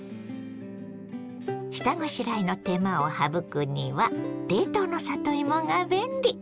下ごしらえの手間を省くには冷凍の里芋が便利。